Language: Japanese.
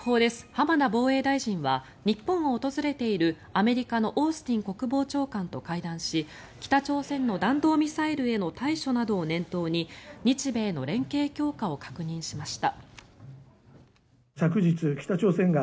浜田防衛大臣は日本を訪れている、アメリカのオースティン国防長官と会談し北朝鮮の弾道ミサイルへの対処などを念頭に日米の連携強化を確認しました。